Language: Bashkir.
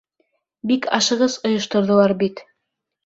Бик ашығыс ойошторҙолар бит.